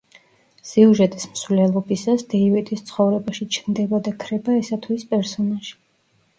სიუჟეტის მსვლელობისას დეივიდის ცხოვრებაში ჩნდება და ქრება ესა თუ ის პერსონაჟი.